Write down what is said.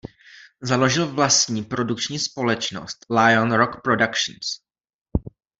Založil vlastní produkční společnost Lion Rock Productions.